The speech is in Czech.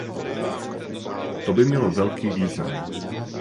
To by mělo velký význam.